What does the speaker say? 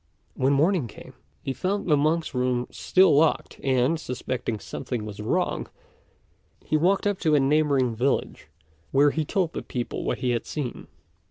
When morning came, he found the monk's room still locked; and, suspecting something was wrong, he walked to a neighbouring village, where he told the people what he had seen.